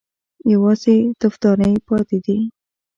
_يوازې تفدانۍ پاتې دي.